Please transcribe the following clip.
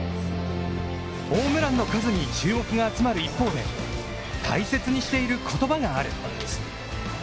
ホームランの数に注目が集まる一方で、大切にしている言葉がある。